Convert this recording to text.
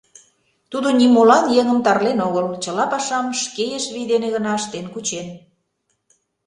Тудо нимолан еҥым тарлен огыл, чыла пашам шке еш вий дене гына ыштен-кучен.